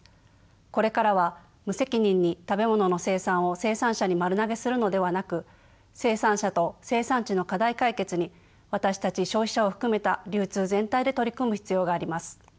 これからは無責任に食べ物の生産を生産者に丸投げするのではなく生産者と生産地の課題解決に私たち消費者を含めた流通全体で取り組む必要があります。